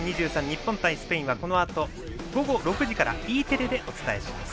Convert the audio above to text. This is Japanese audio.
日本対スペインはこのあと午後６時から Ｅ テレでお伝えします。